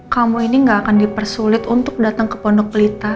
kamu ini gak akan dipersulit untuk datang ke pondok pelita